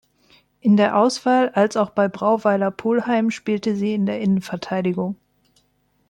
In der Auswahl als auch bei Brauweiler Pulheim spielte sie in der Innenverteidigung.